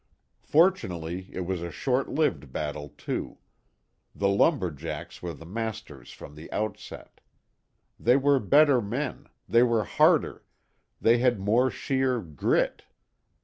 Fortunately it was a short lived battle too. The lumber jacks were the masters from the outset. They were better men, they were harder, they had more sheer "grit."